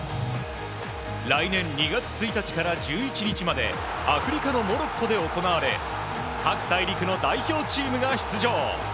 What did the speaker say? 来年２月１日から１１日までアフリカのモロッコで行われ各大陸の代表チームが出場。